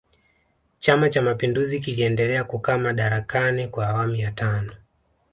chama cha mapinduzi kiliendelea kukaa madarakani kwa awamu ya tano